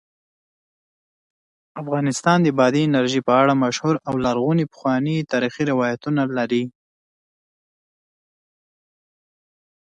افغانستان د بادي انرژي په اړه مشهور او لرغوني پخواني تاریخی روایتونه لري.